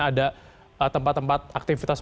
ada tempat tempat aktivitas